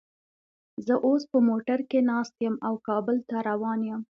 زه اوس په موټر کې ناست یم او کابل ته روان یم